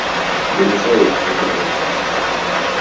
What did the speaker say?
Buli nsawo ogitunda mmeka?